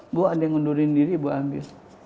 ibu ada yang ngundurin diri ibu ambil